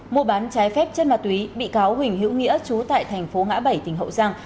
mua bán trái phép chất ma túy bị cáo huỳnh hữu nghĩa trú tại thành phố ngã bảy tỉnh hậu giang